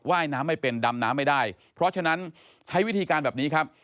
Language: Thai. ยน้ำไม่เป็นดำน้ำไม่ได้เพราะฉะนั้นใช้วิธีการแบบนี้ครับ